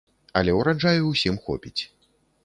Але ўраджаю ўсім хопіць.